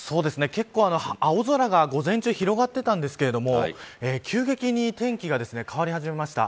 結構、青空が午前中広がっていたんですけど急激に天気が変わり始めました。